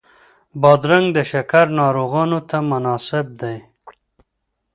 بادرنګ د شکر ناروغانو ته مناسب دی.